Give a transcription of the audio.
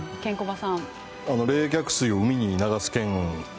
冷却水を海に流す件